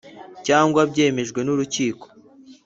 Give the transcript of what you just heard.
cyangwa byemejwe n urukiko